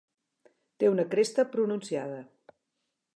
Té una cresta pronunciada.